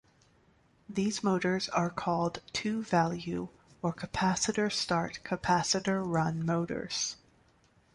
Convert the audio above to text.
These motors are called two-value or capacitor start capacitor run motors.